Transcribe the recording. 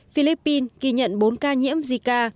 philippines ghi nhận bốn ca nhiễm zika